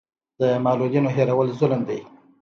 د معلولینو هېرول ظلم دی.